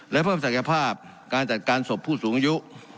และเพิ่มศักยภาพการจัดการศพผู้สูงอายุ